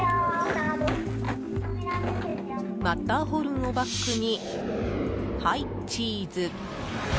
マッターホルンをバックにはい、チーズ。